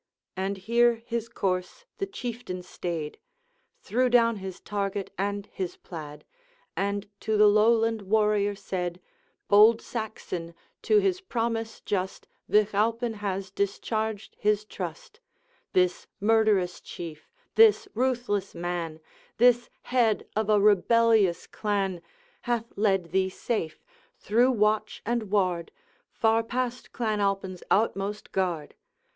And here his course the Chieftain stayed, Threw down his target and his plaid, And to the Lowland warrior said: 'Bold Saxon! to his promise just, Vich Alpine has discharged his trust. This murderous Chief, this ruthless man, This head of a rebellious clan, Hath led thee safe, through watch and ward, Far past Clan Alpine's outmost guard.